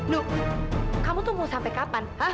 duh kamu tuh mau sampe kapan